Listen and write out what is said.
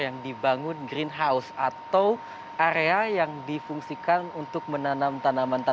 yang dibangun greenhouse atau area yang difungsikan untuk menanam tanaman tanaman